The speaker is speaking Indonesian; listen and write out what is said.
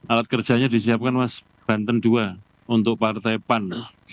alat kerjanya disiapkan mas banten ii untuk partai pan